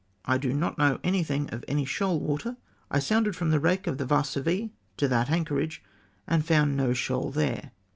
I do not know anything of any shoal ivater. I sounded from the wreck of the Varsovie to that anchorage, and found no shoal there.